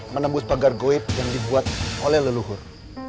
menembus pagar goib yang dibuat oleh leluhur